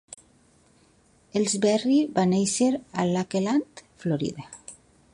Elsberry va néixer a Lakeland, Florida.